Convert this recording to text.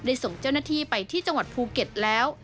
ส่งเจ้าหน้าที่ไปที่จังหวัดภูเก็ตแล้ว